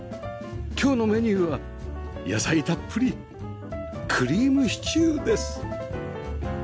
今日のメニューは野菜たっぷりクリームシチューです